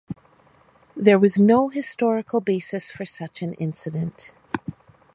There was no historical basis for such an incident.